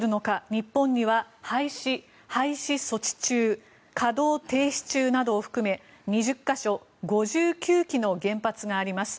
日本には廃止、廃止措置中稼働停止中などを含め２０か所５９基の原発があります。